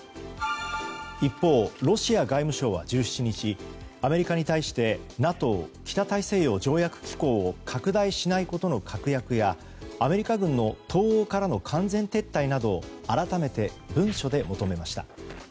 一方、ロシア外務省は１７日、アメリカに対してＮＡＴＯ・北大西洋条約機構を拡大しないことの確約やアメリカ軍の東欧からの完全撤退など改めて文書で求めました。